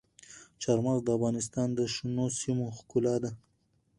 چار مغز د افغانستان د شنو سیمو ښکلا ده.